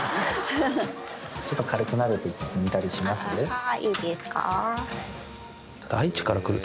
はいいいですか。